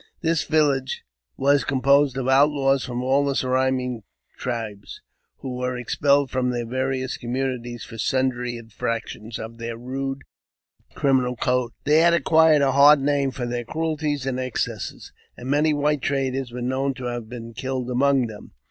This village wa^^ composed of outlav^s from all the surrounding tribes, who were expelled from their various communities for sundry infractions of their rude criminal code ; they had acquired a hard name for their cruelties and excesses, and many white traders were known to have been killed among them.